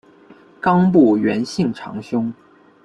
冈部元信长兄。